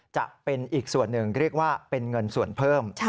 จะเป็นอีกส่วนหนึ่งเรียกว่าเป็นเงินส่วนเพิ่ม